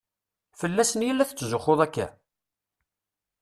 Fell-asen i la tetzuxxuḍ akka?